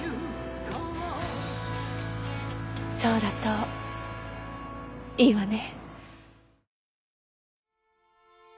そうだといいわね。